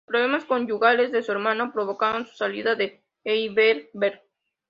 Los problemas conyugales de su hermano provocaron su salida de Heidelberg.